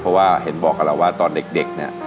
เพราะว่าเห็นบอกกับเราว่าตอนเด็กเนี่ย